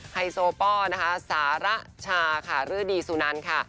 ไฮโซปอล์นะคะสาระชาค่ะรื้อดีสู่นั้นค่ะ